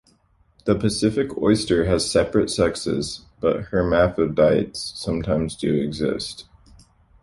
The Pacific oyster has separate sexes, but hermaphrodites sometimes do exist.